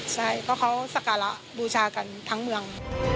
ใช่เพราะเขาสการะบูชากันทั้งเมือง